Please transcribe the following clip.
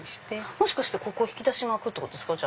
もしかして引き出しが開くってことですか？